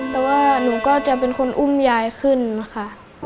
แต่ว่าหนูก็จะเป็นคนอุ้มยายขึ้นค่ะ